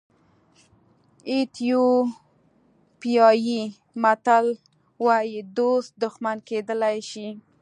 ایتیوپیایي متل وایي دوست دښمن کېدلی شي.